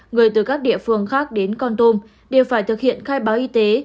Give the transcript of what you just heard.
người từ các địa phương khác đến con tum đều phải thực hiện khai báo y tế